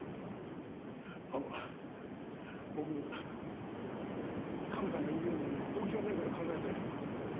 あの僕カメさんが言うように動機の面から考えて。